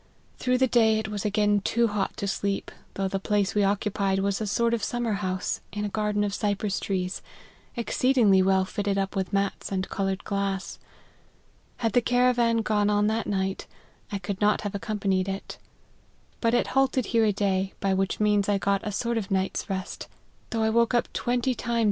Through the day it was again too hot to sleep, though the place we occupied was a sort of summer house, in a gar den of cypress trees, exceedingly well fitted up with mats and coloured glass. Had the caravan gone on that night, I could not have accompanied it ; but it halted here a day, by which means I got a sort of night's rest, though I woke twenty times LIFE OF HENRY MARTYN.